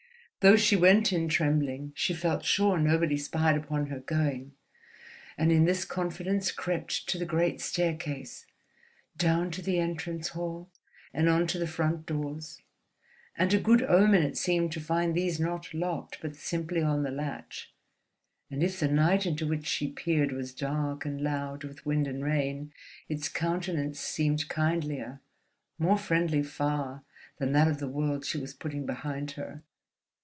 Though she went in trembling, she felt sure nobody spied upon her going; and in this confidence crept to the great staircase, down to the entrance hall, and on to the front doors; and a good omen it seemed to find these not locked, but simply on the latch. And if the night into which she peered was dark and loud with wind and rain, its countenance seemed kindlier, more friendly far than that of the world she was putting behind her.